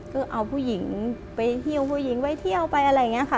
ก็เอาผู้หญิงไปเที่ยวผู้หญิงไปเที่ยวไปอะไรอย่างนี้ค่ะ